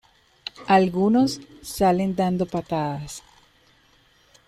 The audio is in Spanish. Algunos salen dando patadas.